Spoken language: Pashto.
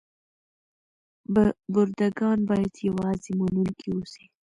برده ګان باید یوازې منونکي اوسي.